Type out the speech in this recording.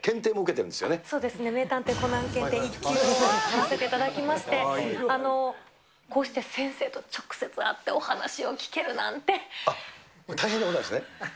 そうですね、名探偵コナン検定１級を取らせていただきまして、こうして先生と直接会ってお話を大変なことなんですね。